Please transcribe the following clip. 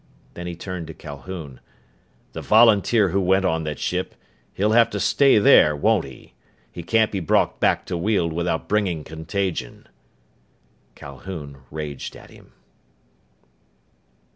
Then he turned to Calhoun. "The volunteer who went on that ship he'll have to stay there, won't he? He can't be brought back to Weald without bringing contagion." Calhoun raged at him.